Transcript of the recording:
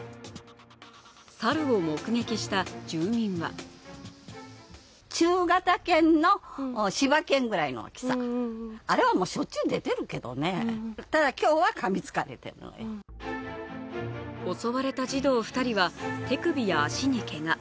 猿を目撃した住民は襲われた児童２人は手首や足にけが。